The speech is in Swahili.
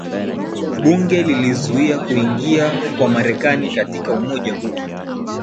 bunge lilizuia kuingia kwa Marekani katika umoja huo